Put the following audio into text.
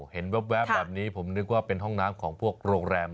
เห็นแว๊บแบบนี้ผมนึกว่าเป็นห้องน้ำของพวกโรงแรม